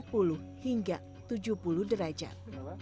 dengan kemiringan empat puluh hingga tujuh puluh derajat